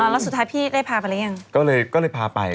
อ๋อแล้วสุดท้ายพี่ได้พาไปหรือยัง